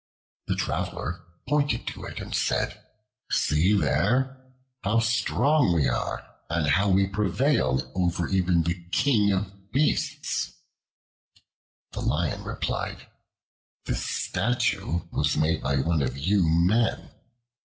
The traveler pointed to it and said: "See there! How strong we are, and how we prevail over even the king of beasts." The Lion replied: "This statue was made by one of you men.